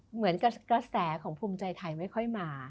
เหมือนกระแสของภูมิใจไทยไม่ค่อยมา